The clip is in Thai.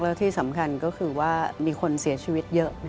แล้วที่สำคัญก็คือว่ามีคนเสียชีวิตเยอะ